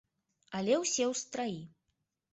Але ўсе ў страі.